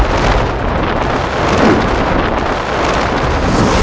aku pergi dulu menara